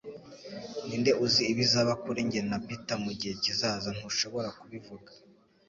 Ninde uzi ibizaba kuri njye na Peter mugihe kizaza - ntushobora kubivuga